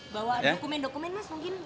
bahwa dokumen dokumen mas mungkin